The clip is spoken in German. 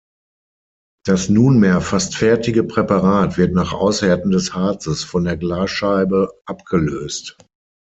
Das nunmehr fast fertige Präparat wird nach Aushärten des Harzes von der Glasscheibe abgelöst.